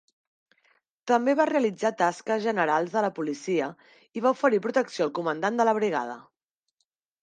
També va realitzar taques generals de la policia i va oferir protecció al comandant de la brigada.